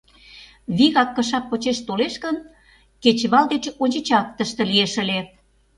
Вигак кыша почеш толеш гын, кечывал деч ончычак тыште лиеш ыле.